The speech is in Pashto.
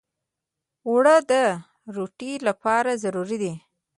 اوړه د روتۍ لپاره ضروري دي